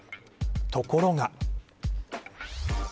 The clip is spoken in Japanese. ところが。